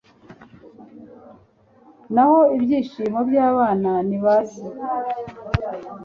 naho ibyishimo by’abana ni ba se